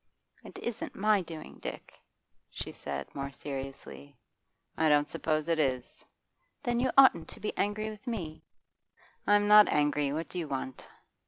'It isn't my doing, Dick,' she said more seriously. 'I don't suppose it is.' 'Then you oughtn't to be angry with me.' 'I'm not angry. What do you want?